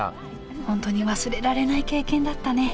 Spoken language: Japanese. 本当に忘れられない経験だったね。